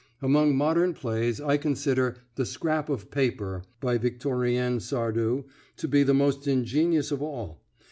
Among modern plays I consider 'The Scrap of Paper' by Victorien Sardou to be the most ingenious of all.